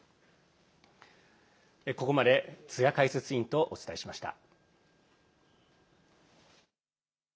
ここまで津屋解説委員とお伝えしました。